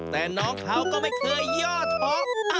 แต่น้องเขาก็ไม่เคยย่อท้อ